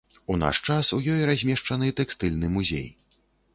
У наш час у ёй размешчаны тэкстыльны музей.